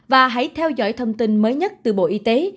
và hãy theo dõi thông tin mới nhất từ bộ y tế